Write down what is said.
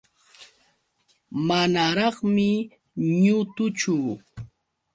Manaraqmi ñutuchu.